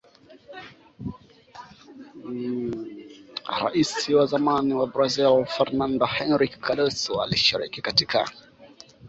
rais wa zamani wa Brazil Fernando Henrique Cardoso alishiriki katika